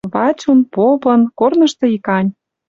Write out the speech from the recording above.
Ватюн, попын — корнышты икань».